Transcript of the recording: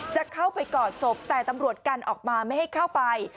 จะเข้าไปกอดศพแต่ตำรวจกันออกมาไม่ให้เข้าไป